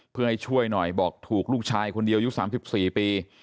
เพื่อให้ช่วยหน่อยบอกถูกลูกชายคนเดียวอายุ๓๔ปี